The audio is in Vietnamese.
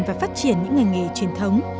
và phát triển những ngành nghề truyền thống